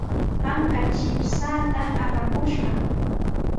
Anka chipshaata apakushqa.